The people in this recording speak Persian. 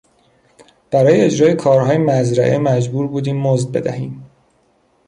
برای اجرای کارهای مزرعه مجبور بودیم مزد بدهیم.